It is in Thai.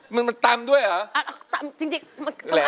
มึงมันตำด้วยเหรอ